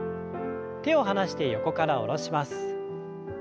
手を離して横から下ろします。